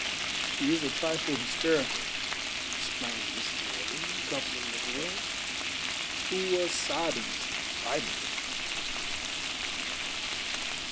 "She is a trifle hysterical," explained Mrs. Morley, comforting the girl, who was sobbing violently.